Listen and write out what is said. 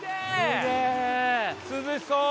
涼しそう！